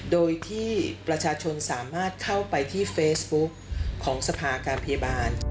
โดยที่ประชาชนสามารถเข้าไปที่เฟซบุ๊กของสภาการพยาบาล